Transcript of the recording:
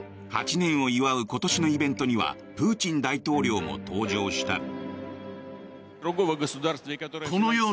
８年を祝う今年のイベントにはプーチン大統領も登場した。